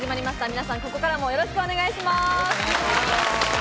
皆さんここからもよろしくお願いします。